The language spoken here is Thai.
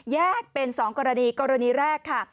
แยกเป็น๒กรณีกรณีแรกค่ะ